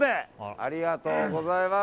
ありがとうございます。